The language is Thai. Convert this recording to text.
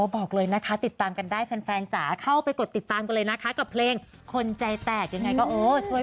บอกเลยนะคะติดตามกันได้แฟนจ๋าเข้าไปกดติดตามกันเลยนะคะกับเพลงคนใจแตกยังไงก็โอ้ช่วย